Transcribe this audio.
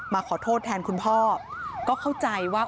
ขอโทษแทนคุณพ่อก็เข้าใจว่า